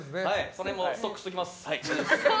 その辺もストックしときます。